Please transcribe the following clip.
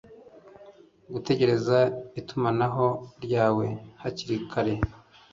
Gutegereza itumanaho ryawe hakiri kare